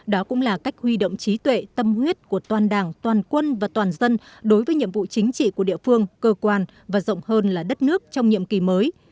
đó cũng là cách huy động trí tuệ tâm huyết của toàn đảng toàn quân và toàn dân đối với nhiệm vụ chính trị của địa phương cơ quan và rộng hơn là đất nước trong nhiệm kỳ mới